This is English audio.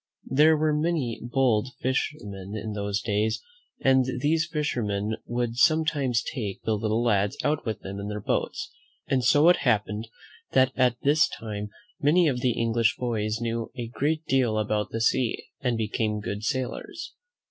There were many bold fishermen in those days, and these fishermen would sometimes take the little lads out with them in their boats; and so it happened that at this time many of the English boys knew a great deal about the sea and became good sailors.